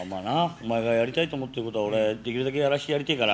お前がやりたいと思ってることは俺できるだけやらしてやりてえから。